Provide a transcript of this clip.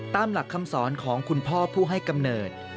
ตามหลักคำสอนของคุณพ่อผู้ให้กำเนิด